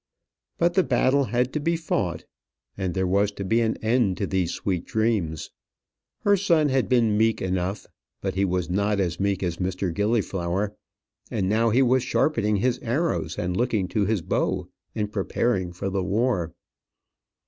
But the battle had to be fought, and there was to be an end to these sweet dreams. Her son had been meek enough, but he was not as meek as Mr. Gilliflower; and now he was sharpening his arrows, and looking to his bow, and preparing for the war.